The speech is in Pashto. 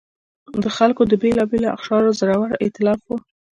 د خلکو د بېلابېلو اقشارو زړور اېتلاف و.